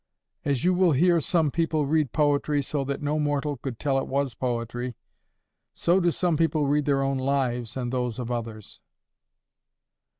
As you will hear some people read poetry so that no mortal could tell it was poetry, so do some people read their own lives and those of others.